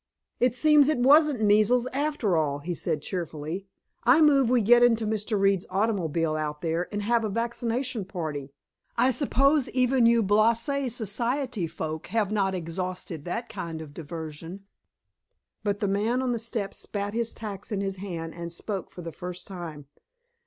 "It seems it wasn't measles, after all," he said cheerfully. "I move we get into Mr. Reed's automobile out there, and have a vaccination party. I suppose even you blase society folk have not exhausted that kind of diversion." But the man on the step spat his tacks in his hand and spoke for the first time.